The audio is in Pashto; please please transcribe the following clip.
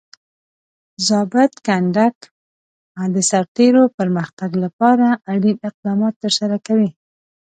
ضابط کنډک د سرتیرو پرمختګ لپاره اړین اقدامات ترسره کوي.